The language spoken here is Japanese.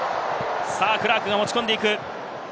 クラークが持ち込んでいく。